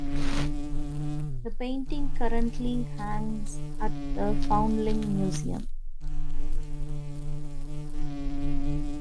The painting currently hangs at the Foundling Museum.